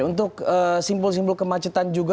untuk simbol simbol kemacetan juga